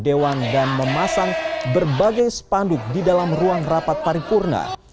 dan memasang berbagai spanduk di dalam ruang rapat paripurna